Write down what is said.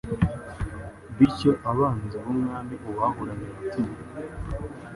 bityo abanzi b’umwami ubahuranye umutima